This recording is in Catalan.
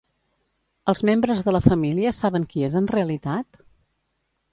Els membres de la família saben qui és en realitat?